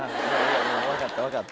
分かった分かった